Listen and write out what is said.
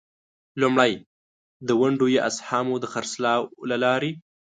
لومړی: د ونډو یا اسهامو د خرڅلاو له لارې.